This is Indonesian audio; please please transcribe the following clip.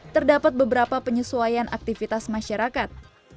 terdapat beberapa penyesuaian aktivitas masyarakat